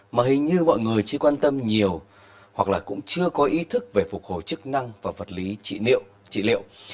mà hình như mọi người chỉ quan tâm nhiều hoặc là cũng chưa có ý thức về phục hồi chức năng và vật lý trị liệu